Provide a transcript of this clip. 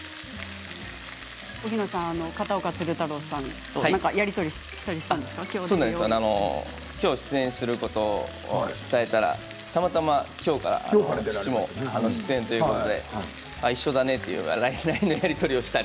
荻野さん片岡鶴太郎さんとやり取りはきょう出演することを伝えたら、たまたまきょうから父も出演ということで一緒だねと言っていました。